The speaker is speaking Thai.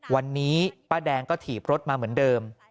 วันนี้ป้าแดงก็ถีบรถมาเหมือนเดิม